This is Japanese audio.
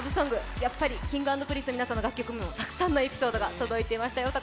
やっぱりＫｉｎｇ＆Ｐｒｉｎｃｅのみなさんの楽曲にもたくさんのエピソードが寄せられていましたよ。